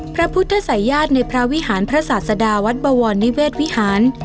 พระพุทธศัยญาติในพระวิหารพระศาสดาวัดบวรนิเวศวิหาร